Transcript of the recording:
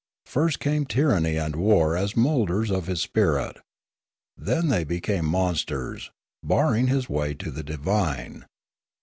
First came tyranny and war as moulders of his spirit; then they became monsters, barring his way to the divine.